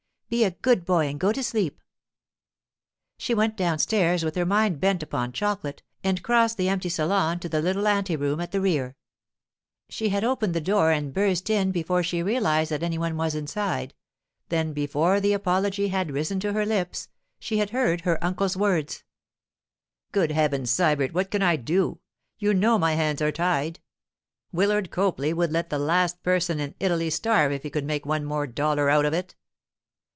Be a good boy and go to sleep.' She went downstairs with her mind bent upon chocolate, and crossed the empty salon to the little ante room at the rear. She had opened the door and burst in before she realized that any one was inside; then before the apology had risen to her lips she had heard her uncle's words. 'Good heavens, Sybert, what can I do? You know my hands are tied. Willard Copley would let the last person in Italy starve if he could make one more dollar out of it!